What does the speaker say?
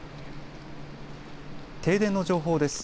停電の情報です。